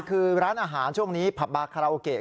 คือร้านอาหารช่วงนี้ผับบาคาราโอเกะ